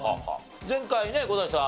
前回ね伍代さん